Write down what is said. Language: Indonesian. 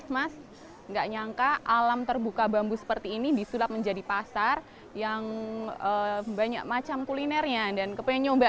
mas nggak nyangka alam terbuka bambu seperti ini disulap menjadi pasar yang banyak macam kulinernya dan kepengen nyoba